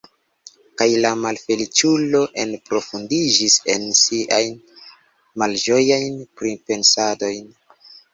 Kaj la malfeliĉulo enprofundiĝis en siajn malĝojajn pripensadojn.